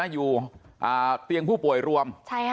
อยู่เตียงผู้ป่วยรวม